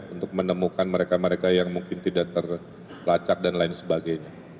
untuk menemukan mereka mereka yang mungkin tidak terlacak dan lain sebagainya